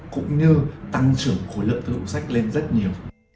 cũng như tăng trưởng của lợi thức hữu sách lên rất nhiều